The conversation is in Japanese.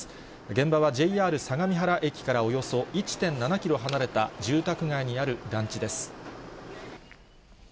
現場はＪＲ相模原駅からおよそ１．７キロ離れた住宅街にある団地です。